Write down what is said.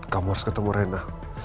kamu harus ketemu rena